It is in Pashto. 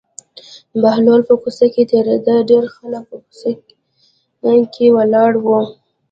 بهلول په کوڅه کې تېرېده ډېر خلک په کوڅه کې ولاړ وو.